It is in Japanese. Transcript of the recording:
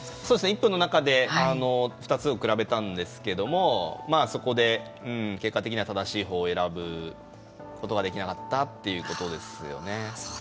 １分の中で２つを比べたんですけどもそこで、結果的には正しいほうを選ぶことができなかったということですよね。